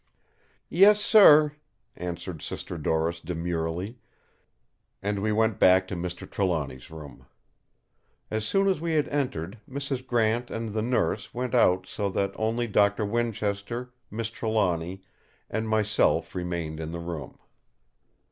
"Yes, sir!" answered Sister Doris demurely; and we went back to Mr. Trelawny's room. As soon as we had entered, Mrs. Grant and the Nurse went out so that only Doctor Winchester, Miss Trelawny, and myself remained in the room.